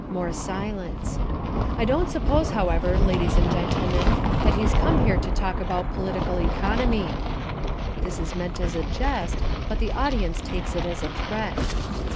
(More silence.) "I don't suppose, however, ladies and gentlemen, that he's come here to talk about political economy." This is meant as a jest, but the audience takes it as a threat.